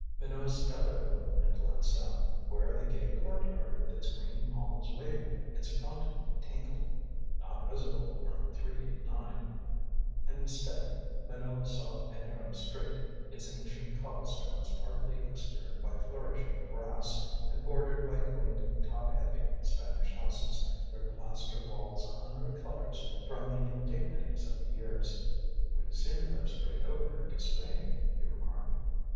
Minot stepped over and glanced out. Where the gay courtyard with its green palms waving, its fountain tinkling? Not visible from 389. Instead Minot saw a narrow street, its ancient cobblestones partly obscured by flourishing grass, and bordered by quaint, top heavy Spanish houses, their plaster walls a hundred colors from the indignities of the years. "We seem to have strayed over into Spain," he remarked.